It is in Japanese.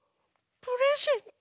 プレゼント？